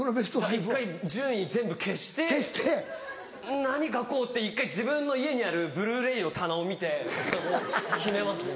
１回順位全部消して「何書こう？」って１回自分の家にあるＢｌｕ−ｒａｙの棚を見てこう決めますね。